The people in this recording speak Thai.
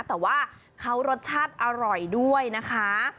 แต่ว่าเขารสชาติอร่อยด้วยนะคะ